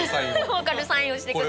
わかるサインをしてください。